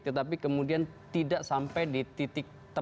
tetapi kemudian tidak sampai di titik tertentu